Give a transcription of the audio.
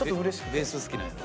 ベース好きなんやろ。